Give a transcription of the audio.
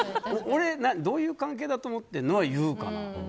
どういう関係だと思ってるの？とは言うかな。